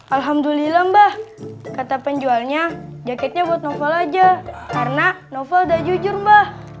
alhamdulillah mbah kata penjualnya jaketnya buat novel aja karena novel udah jujur mbak